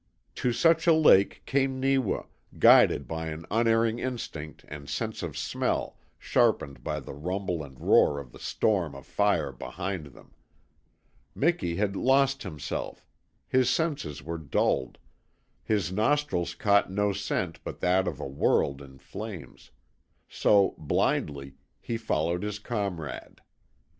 To such a lake came Neewa, guided by an unerring instinct and sense of smell sharpened by the rumble and roar of the storm of fire behind him. Miki had "lost" himself; his senses were dulled; his nostrils caught no scent but that of a world in flames so, blindly, he followed his comrade.